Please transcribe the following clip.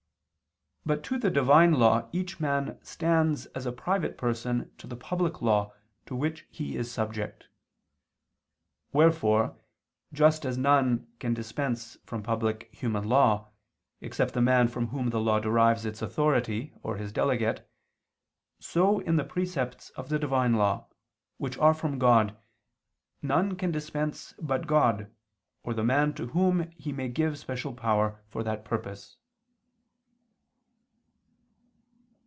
But to the Divine law each man stands as a private person to the public law to which he is subject. Wherefore just as none can dispense from public human law, except the man from whom the law derives its authority, or his delegate; so, in the precepts of the Divine law, which are from God, none can dispense but God, or the man to whom He may give special power for that purpose.